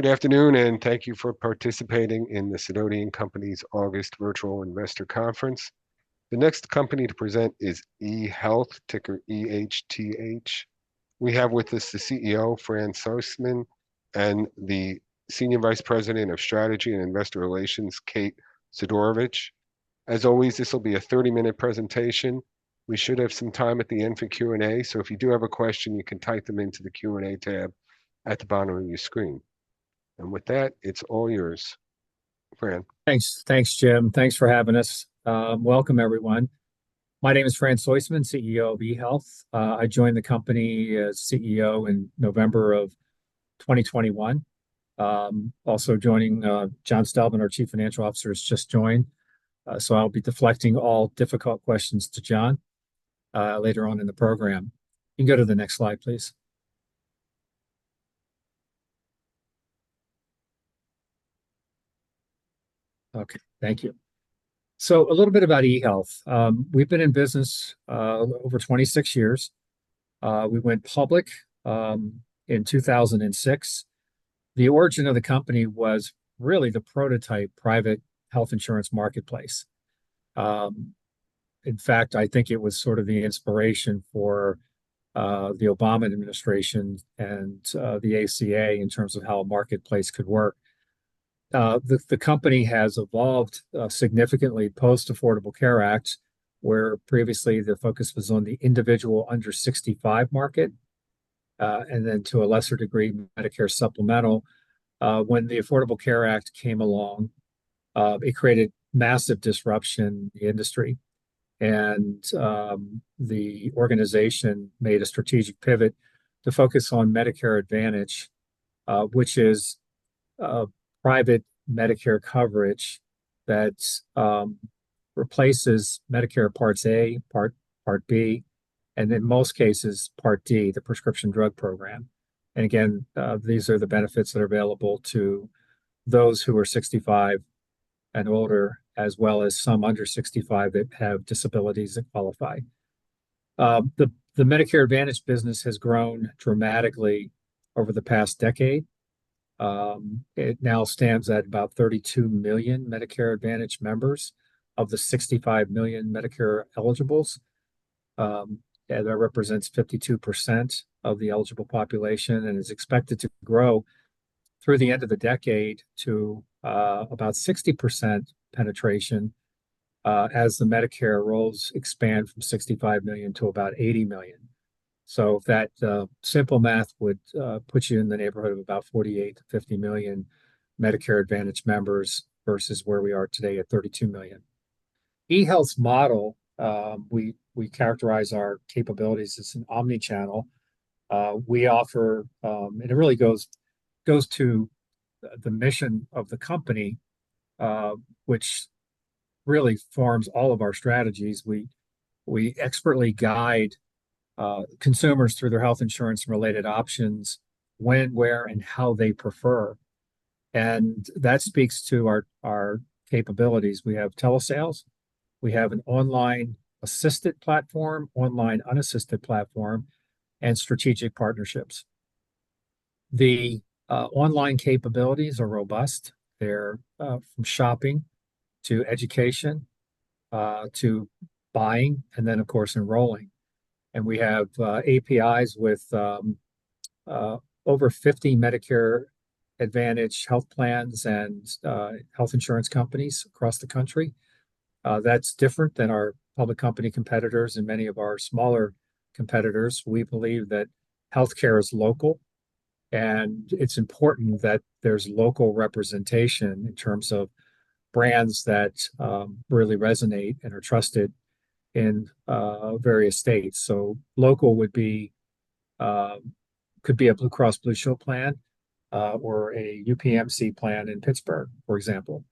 Good afternoon, and thank you for participating in the Sidoti & Company's August virtual investor conference. The next company to present is eHealth, ticker EHTH. We have with us the CEO, Fran Soistman, and the Senior Vice President of Strategy and Investor Relations, Kate Sidorovich. As always, this will be a 30-minute presentation. We should have some time at the end for Q&A, so if you do have a question, you can type them into the Q&A tab at the bottom of your screen. With that, it's all yours, Fran. Thanks. Thanks, Jim. Thanks for having us. Welcome, everyone. My name is Fran Soistman, CEO of eHealth. I joined the company as CEO in November 2021. Also joining, John Stelben, our Chief Financial Officer, has just joined. So I'll be deflecting all difficult questions to John later on in the program. You can go to the next slide, please. Okay, thank you. So a little bit about eHealth. We've been in business over 26 years. We went public in 2006. The origin of the company was really the prototype private health insurance marketplace. In fact, I think it was sort of the inspiration for the Obama administration and the ACA in terms of how a marketplace could work. The company has evolved significantly post-Affordable Care Act, where previously the focus was on the individual under 65 market, and then, to a lesser degree, Medicare Supplement. When the Affordable Care Act came along, it created massive disruption in the industry, and the organization made a strategic pivot to focus on Medicare Advantage, which is private Medicare coverage that replaces Medicare Part A, Part B, and in most cases, Part D, the prescription drug program. And again, these are the benefits that are available to those who are 65 and older, as well as some under 65 that have disabilities that qualify. The Medicare Advantage business has grown dramatically over the past decade. It now stands at about 32 million Medicare Advantage members, of the 65 million Medicare eligibles. And that represents 52% of the eligible population and is expected to grow through the end of the decade to about 60% penetration, as the Medicare rolls expand from 65 million to about 80 million. So that simple math would put you in the neighborhood of about 48 million-50 million Medicare Advantage members, versus where we are today at 32 million. eHealth's model, we characterize our capabilities as an omni-channel. We offer. And it really goes to the mission of the company, which really forms all of our strategies. We expertly guide consumers through their health insurance-related options when, where, and how they prefer, and that speaks to our capabilities. We have telesales, we have an Online Assisted platform, Online Unassisted platform, and strategic partnerships. The online capabilities are robust. They're from shopping to education to buying, and then, of course, enrolling. We have APIs with over 50 Medicare Advantage health plans and health insurance companies across the country. That's different than our public company competitors and many of our smaller competitors. We believe that healthcare is local, and it's important that there's local representation in terms of brands that really resonate and are trusted in various states. So, local would be, could be a Blue Cross Blue Shield plan or a UPMC plan in Pittsburgh, for example.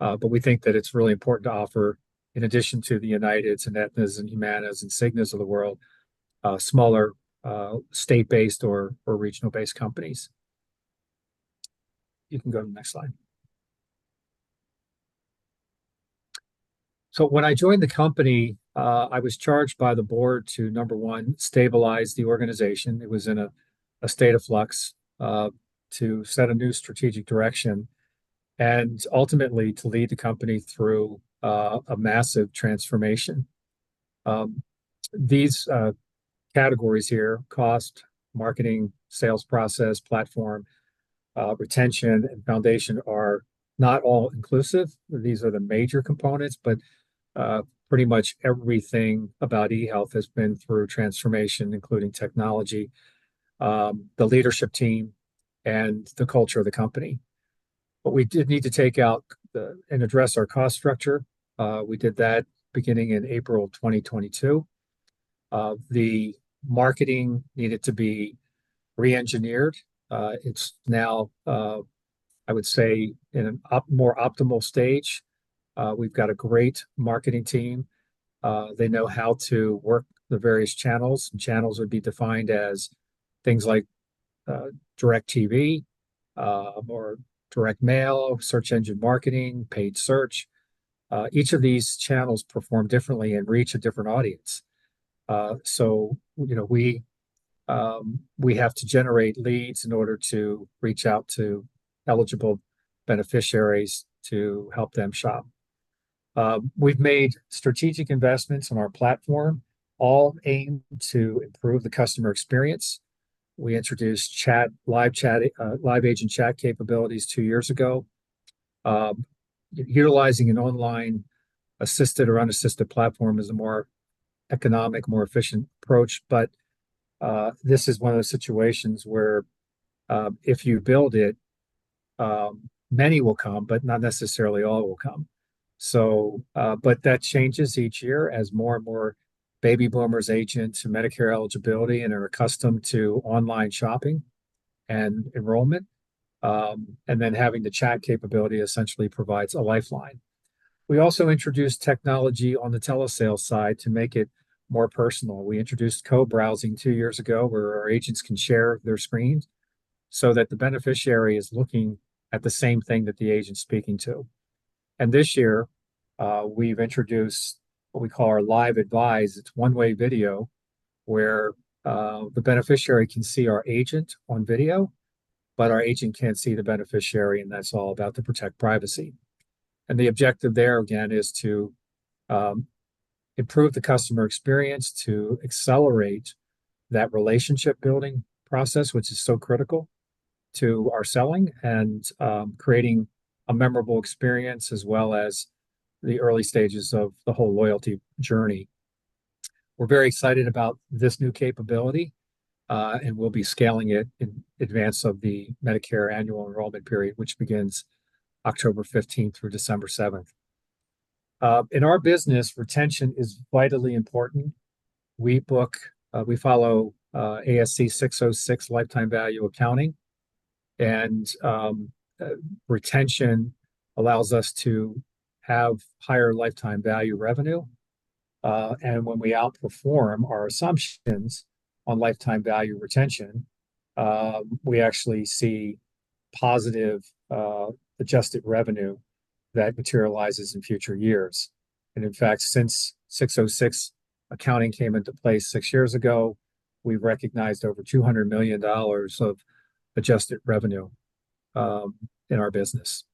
But we think that it's really important to offer, in addition to the Uniteds and Aetnas and Humanas and Cignas of the world, smaller state-based or regional-based companies. You can go to the next slide. So when I joined the company, I was charged by the board to, number one, stabilize the organization, it was in a state of flux, to set a new strategic direction, and ultimately, to lead the company through a massive transformation. These categories here: cost, marketing, sales process, platform, retention, and foundation, are not all inclusive, these are the major components, but pretty much everything about eHealth has been through transformation, including technology, the leadership team, and the culture of the company. But we did need to take out and address our cost structure. We did that beginning in April 2022. The marketing needed to be reengineered. It's now, I would say, in a more optimal stage. We've got a great marketing team. They know how to work the various channels, and channels would be defined as things like, DIRECTV, or direct mail, search engine marketing, paid search. So, you know, we have to generate leads in order to reach out to eligible beneficiaries to help them shop. We've made strategic investments in our platform, all aimed to improve the customer experience. We introduced chat, live chat, live agent chat capabilities two years ago. Utilizing an Online Assisted or unassisted platform is a more economic, more efficient approach, but this is one of those situations where, if you build it, many will come, but not necessarily all will come. So, but that changes each year as more and more baby boomers age into Medicare eligibility and are accustomed to online shopping and enrollment, and then having the chat capability essentially provides a lifeline. We also introduced technology on the telesales side to make it more personal. We introduced co-browsing two years ago, where our agents can share their screens, so that the beneficiary is looking at the same thing that the agent's speaking to. And this year, we've introduced what we call our Live Advise. It's a one-way video, where the beneficiary can see our agent on video, but our agent can't see the beneficiary, and that's all about to protect privacy. And the objective there, again, is to improve the customer experience, to accelerate that relationship building process, which is so critical to our selling and creating a memorable experience, as well as the early stages of the whole loyalty journey. We're very excited about this new capability, and we'll be scaling it in advance of the Medicare Annual Enrollment Period, which begins October 15 through December 7. In our business, retention is vitally important. We follow ASC 606 Lifetime Value accounting, and retention allows us to have higher Lifetime Value revenue. And when we outperform our assumptions on Lifetime Value retention, we actually see positive adjusted revenue that materializes in future years. And in fact, since ASC 606 accounting came into place six years ago, we've recognized over $200 million of adjusted revenue, in our business.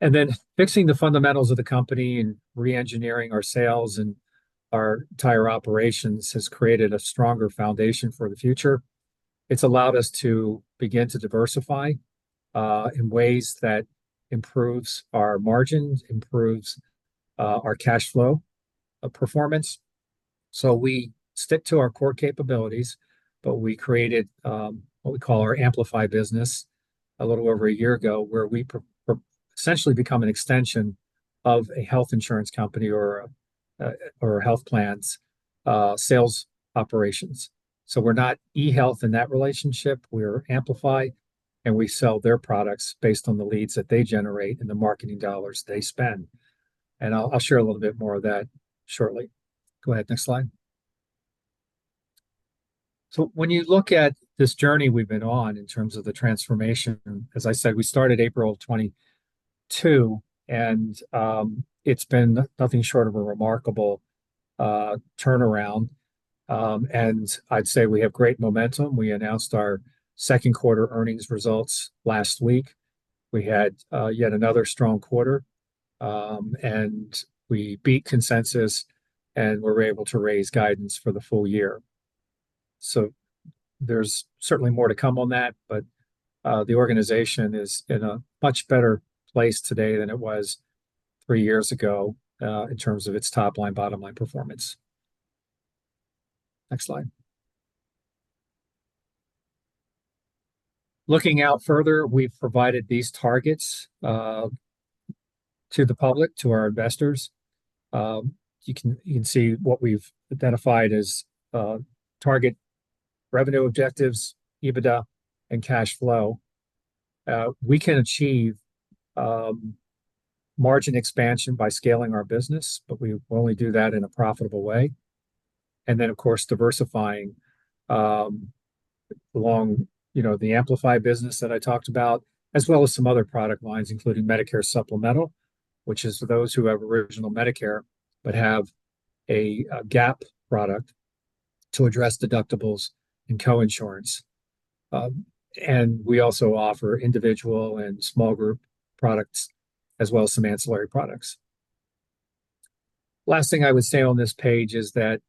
And then, fixing the fundamentals of the company and reengineering our sales and our entire operations has created a stronger foundation for the future. It's allowed us to begin to diversify, in ways that improves our margins, improves, our cash flow, performance. So we stick to our core capabilities, but we created, what we call our Amplify business, a little over a year ago, where we essentially become an extension of a health insurance company or health plans, sales operations. So we're not eHealth in that relationship, we're Amplify, and we sell their products based on the leads that they generate and the marketing dollars they spend. And I'll share a little bit more of that shortly. Go ahead, next slide. So when you look at this journey we've been on in terms of the transformation, as I said, we started April 2022, and, it's been nothing short of a remarkable, turnaround. And I'd say we have great momentum. We announced our second quarter earnings results last week. We had, yet another strong quarter, and we beat consensus, and we're able to raise guidance for the full year. So there's certainly more to come on that, but, the organization is in a much better place today than it was three years ago, in terms of its top line, bottom line performance. Next slide. Looking out further, we've provided these targets, to the public, to our investors. You can see what we've identified as target revenue objectives, EBITDA and cash flow. We can achieve margin expansion by scaling our business, but we only do that in a profitable way. And then, of course, diversifying along, you know, the Amplify business that I talked about, as well as some other product lines, including Medicare Supplement, which is for those who have original Medicare, but have a gap product to address deductibles and coinsurance. And we also offer individual and small group products, as well as some ancillary products. Last thing I would say on this page is that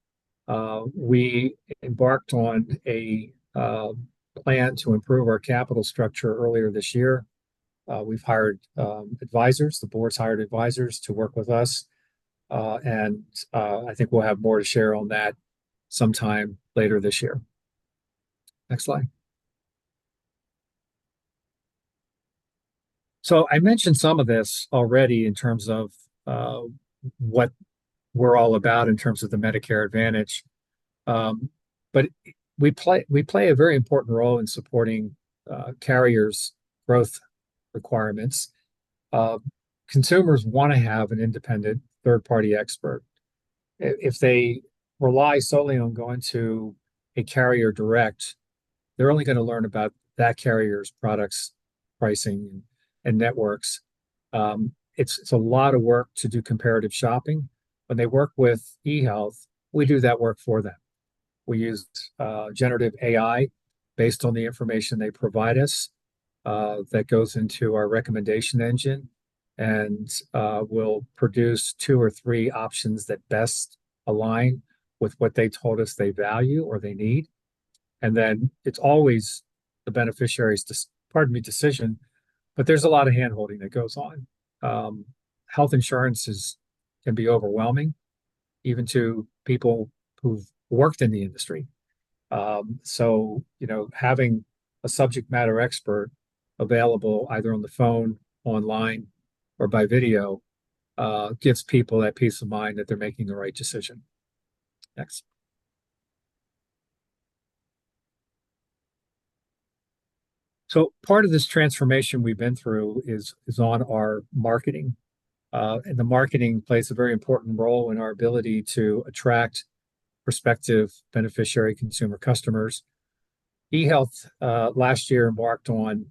we embarked on a plan to improve our capital structure earlier this year. We've hired advisors, the board's hired advisors to work with us, and I think we'll have more to share on that sometime later this year. Next slide. So I mentioned some of this already in terms of what we're all about in terms of the Medicare Advantage. But we play, we play a very important role in supporting carriers' growth requirements. Consumers wanna have an independent third-party expert. If they rely solely on going to a carrier, they're only gonna learn about that carrier's products, pricing, and networks. It's a lot of work to do comparative shopping. When they work with eHealth, we do that work for them. We use generative AI based on the information they provide us that goes into our recommendation engine, and we'll produce two or three options that best align with what they told us they value or they need. And then, it's always the beneficiary's, pardon me, decision, but there's a lot of hand-holding that goes on. Health insurance can be overwhelming, even to people who've worked in the industry. So, you know, having a subject matter expert available, either on the phone, online, or by video, gives people that peace of mind that they're making the right decision. Next. So part of this transformation we've been through is on our marketing. And the marketing plays a very important role in our ability to attract prospective beneficiary consumer customers. eHealth last year embarked on,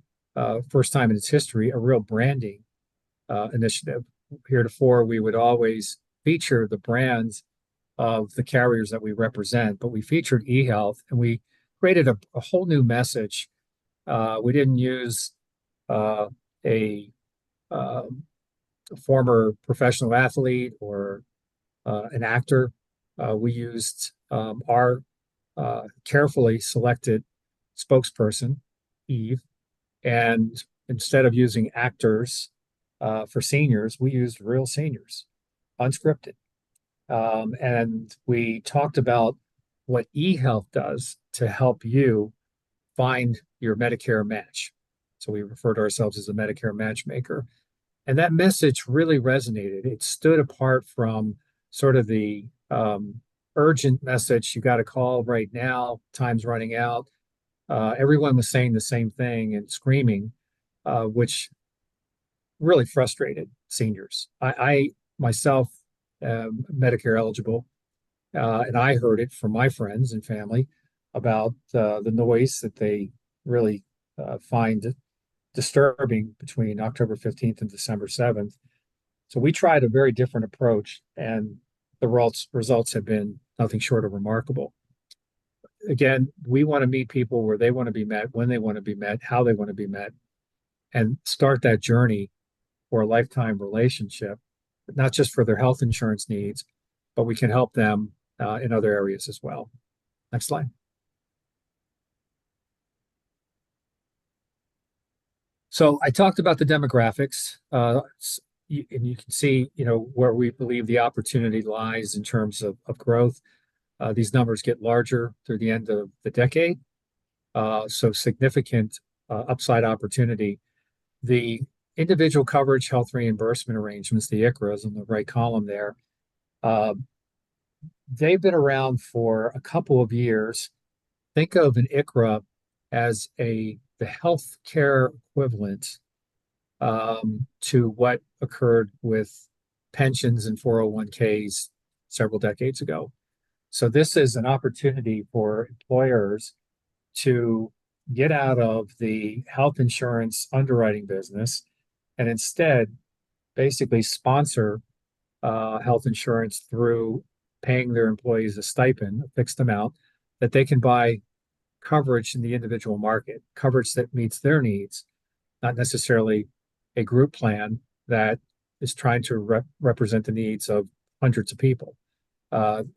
first time in its history, a real branding initiative. Heretofore, we would always feature the brands of the carriers that we represent, but we featured eHealth, and we created a whole new message. We didn't use a former professional athlete or an actor. We used our carefully selected spokesperson, Eve. Instead of using actors for seniors, we used real seniors, unscripted. We talked about what eHealth does to help you find your Medicare match, so we referred to ourselves as a Medicare matchmaker, and that message really resonated. It stood apart from sort of the urgent message: "You got to call right now, time's running out." Everyone was saying the same thing and screaming, which really frustrated seniors. I... myself, am Medicare eligible, and I heard it from my friends and family about the noise that they really find disturbing between October 15 and December 7. So we tried a very different approach, and the results have been nothing short of remarkable. Again, we wanna meet people where they wanna be met, when they wanna be met, how they wanna be met, and start that journey for a lifetime relationship, not just for their health insurance needs, but we can help them in other areas as well. Next slide. So I talked about the demographics. And you can see, you know, where we believe the opportunity lies in terms of growth. These numbers get larger through the end of the decade, so significant upside opportunity. The Individual Coverage Health Reimbursement Arrangements, the ICHRAs on the right column there, they've been around for a couple of years. Think of an ICHRA as a, the healthcare equivalent, to what occurred with pensions and 401(k)s several decades ago. So this is an opportunity for employers to get out of the health insurance underwriting business, and instead, basically sponsor health insurance through paying their employees a stipend, a fixed amount, that they can buy coverage in the individual market. Coverage that meets their needs, not necessarily a group plan that is trying to represent the needs of hundreds of people.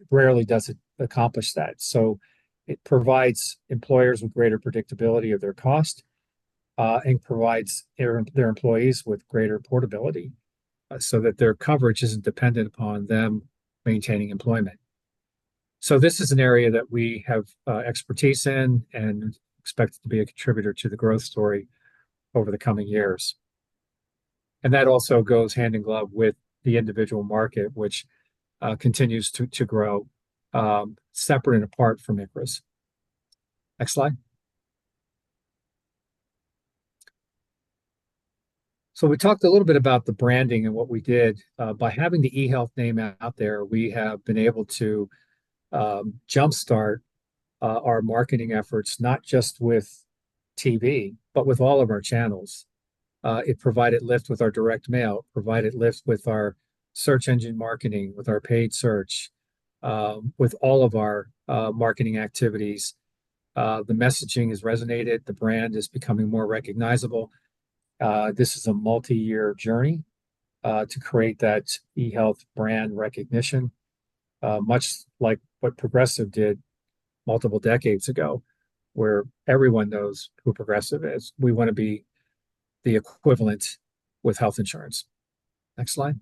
Rarely does it accomplish that. So it provides employers with greater predictability of their cost, and provides their employees with greater portability, so that their coverage isn't dependent upon them maintaining employment. So this is an area that we have expertise in and expected to be a contributor to the growth story over the coming years. And that also goes hand in glove with the individual market, which continues to grow separate and apart from ICHRAs. Next slide. So we talked a little bit about the branding and what we did. By having the eHealth name out there, we have been able to jumpstart our marketing efforts, not just with TV, but with all of our channels. It provided lift with our direct mail, provided lift with our search engine marketing, with our paid search, with all of our marketing activities. The messaging has resonated, the brand is becoming more recognizable. This is a multi-year journey to create that eHealth brand recognition, much like what Progressive did multiple decades ago, where everyone knows who Progressive is. We wanna be the equivalent with health insurance. Next slide.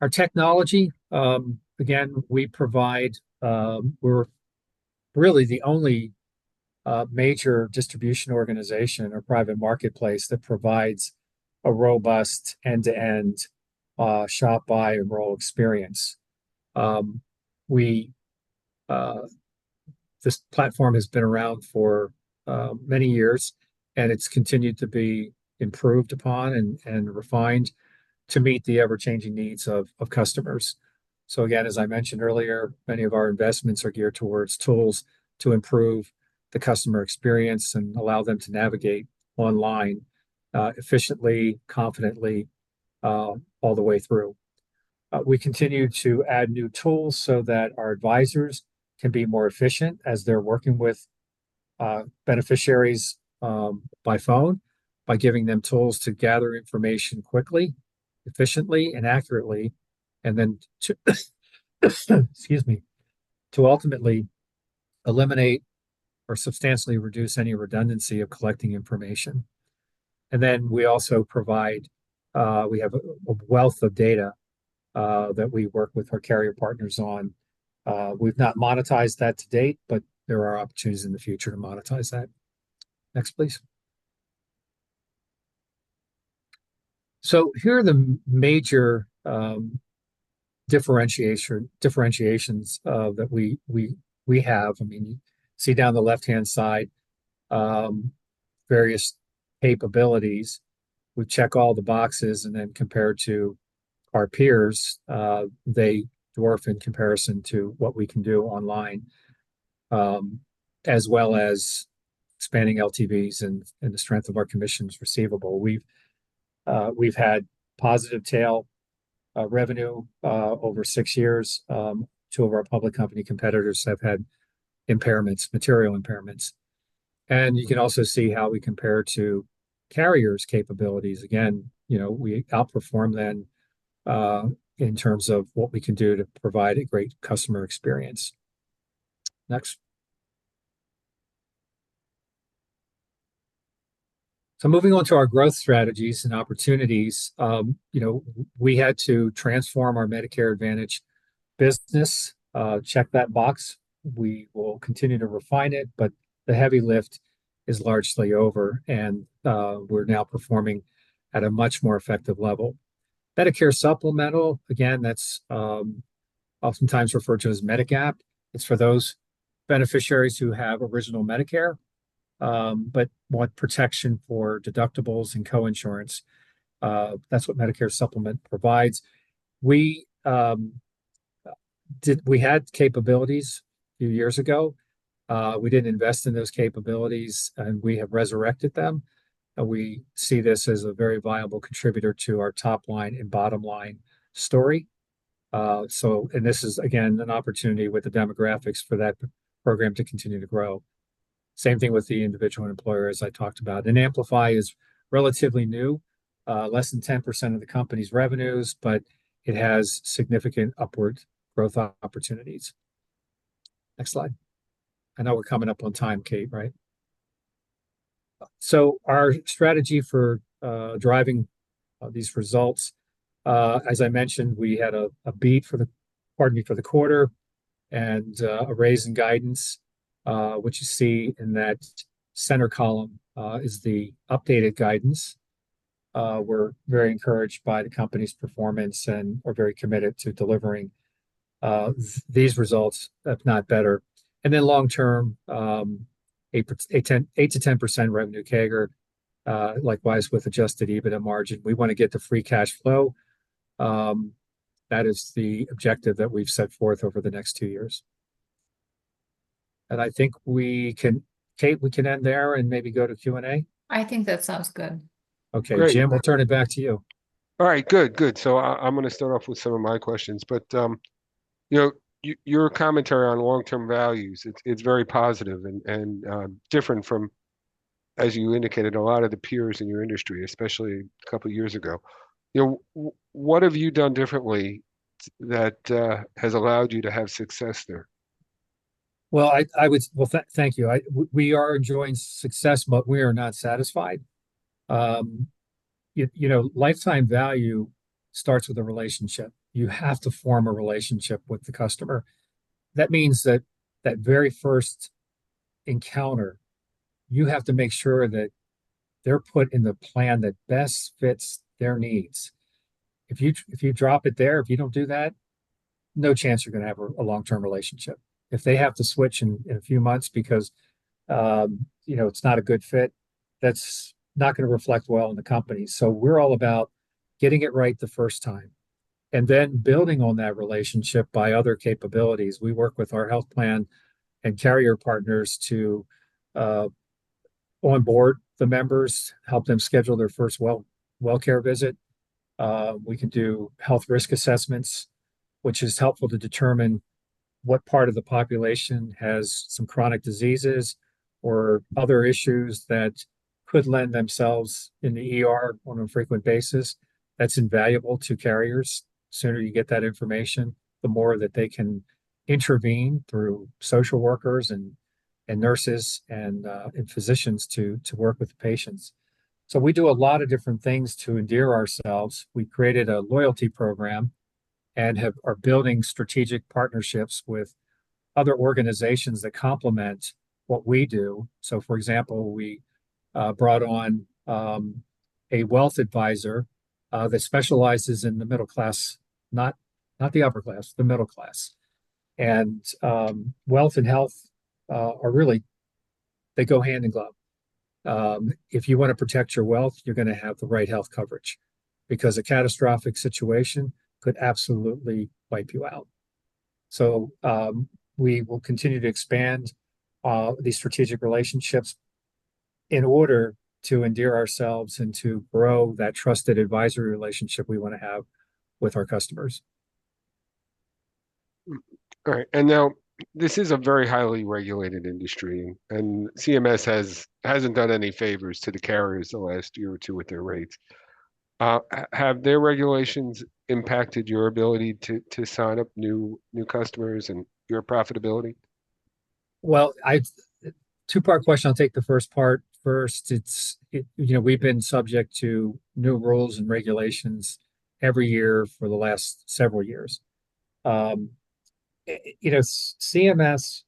Our technology, again, we're really the only major distribution organization or private marketplace that provides a robust end-to-end shop-by-enroll experience. This platform has been around for many years, and it's continued to be improved upon and refined to meet the ever-changing needs of customers. So again, as I mentioned earlier, many of our investments are geared towards tools to improve the customer experience and allow them to navigate online efficiently, confidently, all the way through. We continue to add new tools so that our advisors can be more efficient as they're working with beneficiaries by phone, by giving them tools to gather information quickly, efficiently, and accurately, and then to, excuse me, to ultimately eliminate or substantially reduce any redundancy of collecting information. And then we also provide. We have a wealth of data that we work with our carrier partners on. We've not monetized that to date, but there are opportunities in the future to monetize that. Next, please. So here are the major differentiations that we have. I mean, you see down the left-hand side, various capabilities, we check all the boxes, and then compare to our peers, they dwarf in comparison to what we can do online. As well as expanding LTVs and the strength of our commissions receivable. We've had positive tail revenue over six years. Two of our public company competitors have had impairments, material impairments. You can also see how we compare to carriers' capabilities. Again, you know, we outperform them in terms of what we can do to provide a great customer experience. Next. So moving on to our growth strategies and opportunities, you know, we had to transform our Medicare Advantage business, check that box. We will continue to refine it, but the heavy lift is largely over, and we're now performing at a much more effective level. Medicare Supplement, again, that's oftentimes referred to as Medigap. It's for those beneficiaries who have Original Medicare, but want protection for deductibles and coinsurance. That's what Medicare Supplement provides. We had capabilities a few years ago. We didn't invest in those capabilities, and we have resurrected them, and we see this as a very viable contributor to our top line and bottom line story. So, and this is, again, an opportunity with the demographics for that program to continue to grow. Same thing with the individual employer, as I talked about. And Amplify is relatively new, less than 10% of the company's revenues, but it has significant upward growth opportunities. Next slide. I know we're coming up on time, Kate, right? So our strategy for driving these results, as I mentioned, we had a beat for the quarter, and a raise in guidance, which you see in that center column, is the updated guidance. We're very encouraged by the company's performance and are very committed to delivering these results, if not better. And then long term, 8%-10% revenue CAGR, likewise, with adjusted EBITDA margin. We want to get to free cash flow. That is the objective that we've set forth over the next two years. And I think we can... Kate, we can end there and maybe go to Q&A? I think that sounds good. Okay. Great. Jim, I'll turn it back to you. All right, good, good. So I, I'm gonna start off with some of my questions, but, you know, your commentary on long-term values, it's very positive and different from, as you indicated, a lot of the peers in your industry, especially a couple of years ago. You know, what have you done differently that has allowed you to have success there? Well, thank you. We are enjoying success, but we are not satisfied. You know, lifetime value starts with a relationship. You have to form a relationship with the customer. That means that very first encounter, you have to make sure that they're put in the plan that best fits their needs. If you drop it there, if you don't do that, no chance you're gonna have a long-term relationship. If they have to switch in a few months because, you know, it's not a good fit, that's not gonna reflect well on the company. So we're all about getting it right the first time, and then building on that relationship by other capabilities. We work with our health plan and carrier partners to on board the members, help them schedule their first well-care visit. We can do health risk assessments, which is helpful to determine what part of the population has some chronic diseases or other issues that could lend themselves in the ER on a frequent basis. That's invaluable to carriers. The sooner you get that information, the more that they can intervene through social workers, and nurses, and physicians to work with patients. So we do a lot of different things to endear ourselves. We created a loyalty program and are building strategic partnerships with other organizations that complement what we do. So, for example, we brought on a wealth advisor that specializes in the middle class, not the upper class, the middle class. Wealth and health are really. They go hand in glove. If you wanna protect your wealth, you're gonna have the right health coverage, because a catastrophic situation could absolutely wipe you out. We will continue to expand these strategic relationships in order to endear ourselves and to grow that trusted advisory relationship we wanna have with our customers. All right. Now, this is a very highly regulated industry, and CMS hasn't done any favors to the carriers the last year or two with their rates. Have their regulations impacted your ability to sign up new customers and your profitability? Well, two-part question, I'll take the first part first. It's, you know, we've been subject to new rules and regulations every year for the last several years. You know, CMS's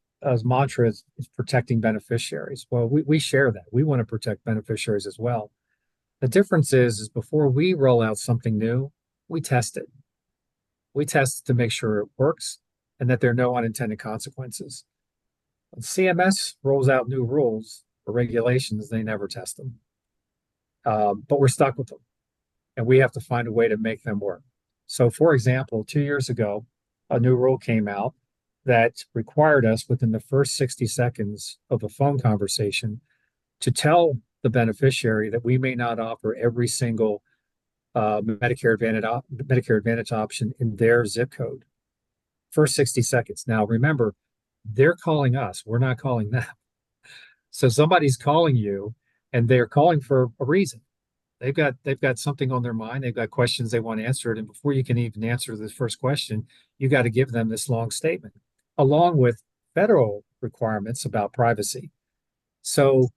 mantra is protecting beneficiaries. Well, we share that. We wanna protect beneficiaries as well. The difference is before we roll out something new, we test it. We test to make sure it works, and that there are no unintended consequences. When CMS rolls out new rules or regulations, they never test them. But we're stuck with them, and we have to find a way to make them work. So, for example, two years ago, a new rule came out that required us, within the first 60 seconds of a phone conversation, to tell the beneficiary that we may not offer every single Medicare Advantage option in their ZIP code. First 60 seconds. Now, remember, they're calling us, we're not calling them. So somebody's calling you, and they're calling for a reason. They've got, they've got something on their mind, they've got questions they want answered, and before you can even answer the first question, you've gotta give them this long statement, along with federal requirements about privacy. So,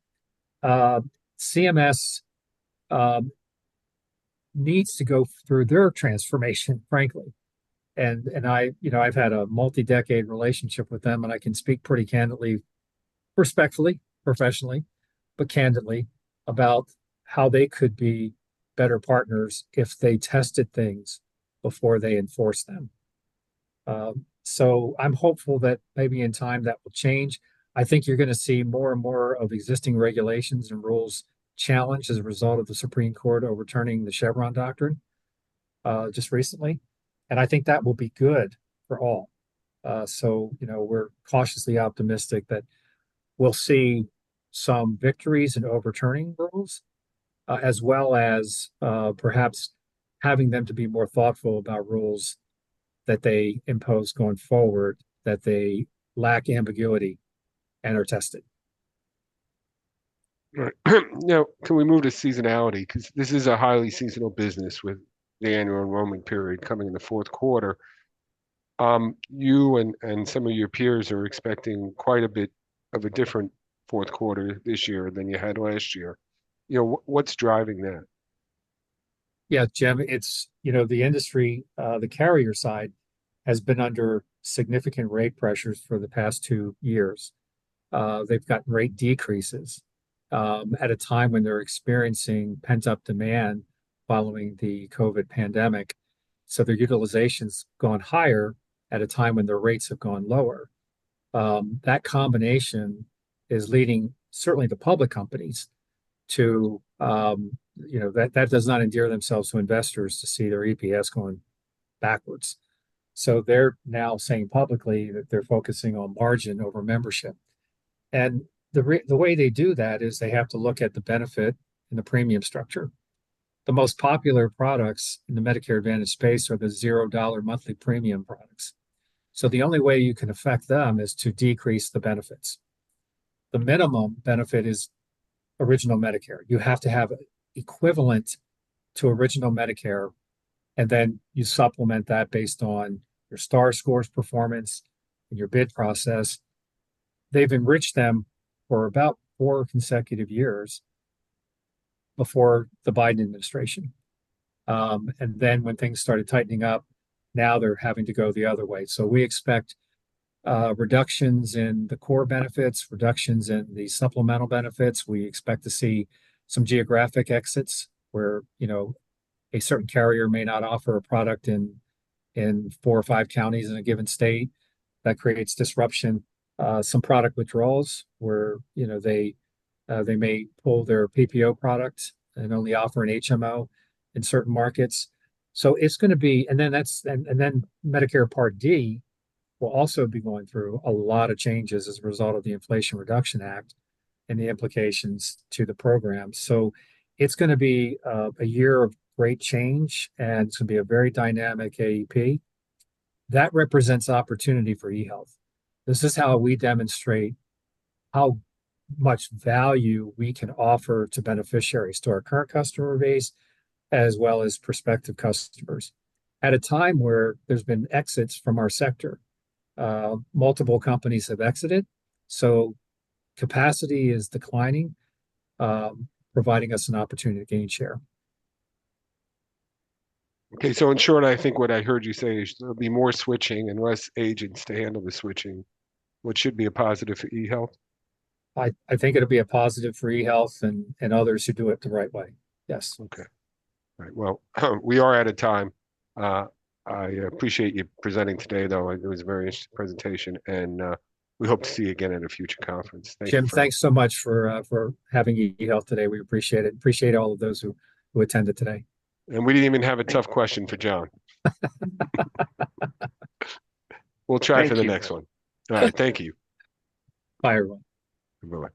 CMS needs to go through their transformation, frankly, and I, you know, I've had a multi-decade relationship with them, and I can speak pretty candidly, respectfully, professionally, but candidly, about how they could be better partners if they tested things before they enforced them. So I'm hopeful that maybe in time that will change. I think you're gonna see more and more of existing regulations and rules challenged as a result of the Supreme Court overturning the Chevron Doctrine just recently, and I think that will be good for all. So, you know, we're cautiously optimistic that we'll see some victories in overturning rules, as well as perhaps having them to be more thoughtful about rules that they impose going forward, that they lack ambiguity and are tested. Right. Now, can we move to seasonality? 'Cause this is a highly seasonal business, with the annual enrollment period coming in the fourth quarter. You and some of your peers are expecting quite a bit of a different fourth quarter this year than you had last year. You know, what's driving that? Yeah, Jim, it's, you know, the industry, the carrier side, has been under significant rate pressures for the past two years. They've got rate decreases, at a time when they're experiencing pent-up demand following the COVID pandemic, so their utilization's gone higher at a time when their rates have gone lower. That combination is leading, certainly the public companies, to, you know, that does not endear themselves to investors to see their EPS going backwards. So they're now saying publicly that they're focusing on margin over membership. And the way they do that is they have to look at the benefit and the premium structure. The most popular products in the Medicare Advantage space are the $0 monthly premium products, so the only way you can affect them is to decrease the benefits. The minimum benefit is Original Medicare. You have to have equivalent to Original Medicare, and then you supplement that based on your Star scores performance and your bid process. They've enriched them for about four consecutive years before the Biden administration. And then, when things started tightening up, now they're having to go the other way. So we expect reductions in the core benefits, reductions in the supplemental benefits. We expect to see some geographic exits where, you know, a certain carrier may not offer a product in four or five counties in a given state. That creates disruption. Some product withdrawals, where, you know, they may pull their PPO product and only offer an HMO in certain markets. So it's gonna be... Medicare Part D will also be going through a lot of changes as a result of the Inflation Reduction Act, and the implications to the program. So it's gonna be a year of great change, and it's gonna be a very dynamic AEP. That represents opportunity for eHealth. This is how we demonstrate how much value we can offer to beneficiaries, to our current customer base, as well as prospective customers, at a time where there's been exits from our sector. Multiple companies have exited, so capacity is declining, providing us an opportunity to gain share. Okay, so in short, I think what I heard you say is, there'll be more switching and less agents to handle the switching, which should be a positive for eHealth? I think it'll be a positive for eHealth and others who do it the right way. Yes. Okay. All right, well, we are out of time. I appreciate you presenting today, though. It was a very interesting presentation, and we hope to see you again at a future conference. Thank you. Jim, thanks so much for having eHealth today. We appreciate it. Appreciate all of those who attended today. We didn't even have a tough question for John. Thank you. We'll try for the next one. All right, thank you. Bye, everyone. Bye-bye.